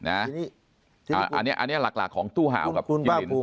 อันนี้หลักของตู้ห่าวกับคุณบ้างคุม